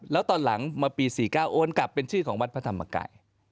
แล้วตอนหลังมาปี๔๙โอนกลับเป็นชื่อของวัดพระธรรมกาย